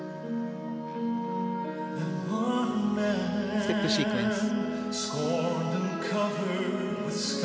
ステップシークエンス。